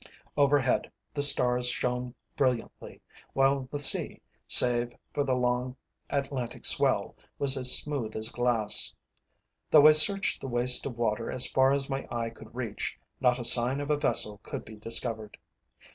Overhead the stars shone brilliantly, while the sea, save for the long Atlantic swell, was as smooth as glass. Though I searched the waste of water as far as my eye could reach, not a sign of a vessel could be discovered.